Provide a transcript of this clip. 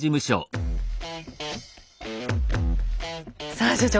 さあ所長